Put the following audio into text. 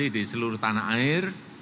di seluruh tanah air